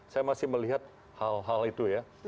saya masih melihat hal hal itu ya